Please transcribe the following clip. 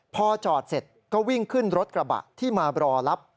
พอจอดเสร็จก็วิ่งขึ้นรถกระบะที่มารอรับ